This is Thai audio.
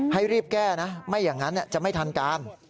ให้รีบแก้นะไม่อย่างนั้นจะไม่ทันการ